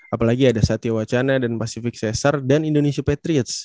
apalagi ada satya wacana dan pacific cesar dan indonesia patriots